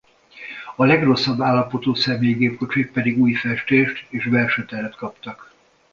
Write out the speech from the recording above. A legrosszabb állapotú személykocsik pedig új festést és belső teret kaptak.